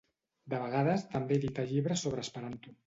De vegades també edita llibres sobre Esperanto.